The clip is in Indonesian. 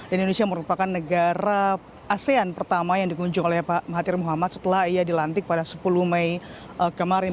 indonesia merupakan negara asean pertama yang dikunjung oleh pak mahathir muhammad setelah ia dilantik pada sepuluh mei kemarin